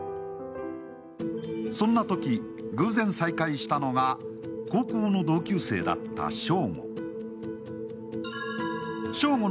そんなとき、偶然再会したのが高校の同級生だった章吾。